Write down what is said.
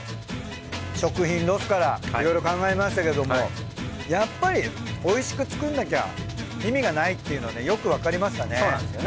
食品ロスからいろいろ考えましたけどもやっぱりおいしく作んなきゃ意味がないっていうのねよくわかりましたね。